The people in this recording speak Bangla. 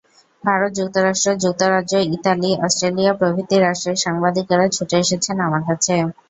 ভারত, যুক্তরাষ্ট্র, যুক্তরাজ্য, ইতালি, অস্ট্রেলিয়া প্রভৃতি রাষ্ট্রের সাংবাদিকেরা ছুটে এসেছেন আমার কাছে।